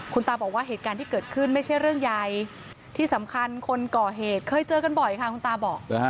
คุณตาบอกว่าเหตุการณ์ที่เกิดขึ้นไม่ใช่เรื่องใหญ่ที่สำคัญคนก่อเหตุเคยเจอกันบ่อยค่ะคุณตาบอก